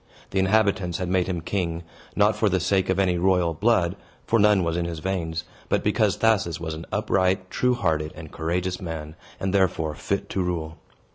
The inhabitants had made him king, not for the sake of any royal blood (for none was in his veins), but because Thasus was an upright, true hearted, and courageous man, and therefore fit to rule.